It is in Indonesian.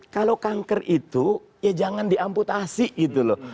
kalau kanker itu ya jangan di amputasi gitu loh